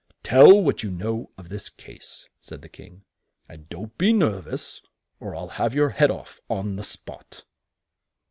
"Tell what you know of this case," said the King; "and don't be nerv ous, or I'll have your head off on the spot."